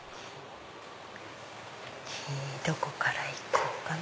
どこから行こうかな。